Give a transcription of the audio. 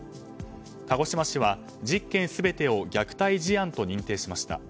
鹿児島市は１０件全てを虐待事案と認定しました。